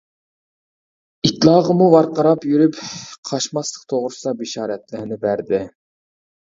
ئىتلارغىمۇ ۋارقىراپ يۈرۈپ «قاچماسلىق» توغرىسىدا بېشارەتلەرنى بەردى.